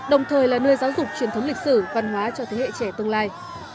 đồng thời là nơi giáo dục truyền thống lịch sử văn hóa cho thế hệ trẻ tương lai